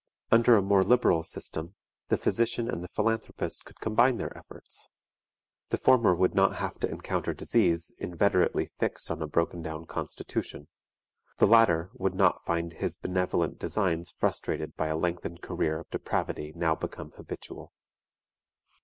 Under a more liberal system, the physician and the philanthropist could combine their efforts. The former would not have to encounter disease inveterately fixed on a broken down constitution; the latter would not find his benevolent designs frustrated by a lengthened career of depravity now become habitual.